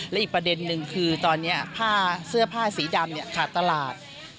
และอีกประเด็นนึงคือตอนนี้ผ้าเสื้อผ้าสีดำขาดตลาด